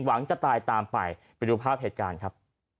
หวังจะตายตามไปไปดูภาพเหตุการณ์ครับ